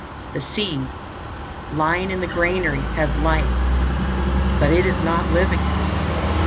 The seed, lying in the granary, has life, but it is not living.